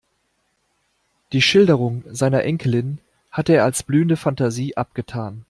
Die Schilderungen seiner Enkelin hatte er als blühende Fantasie abgetan.